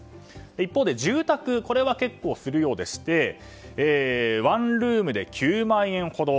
一方で住宅は結構するようでして１ルームで９万円ほど。